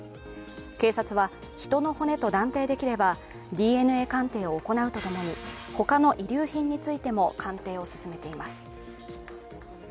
警察は人の骨と断定できればＤＮＡ鑑定を行うとともに他の遺留品についても鑑定を進めています。